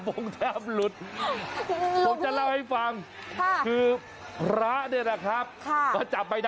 โอ้โรโอ่อ๋อ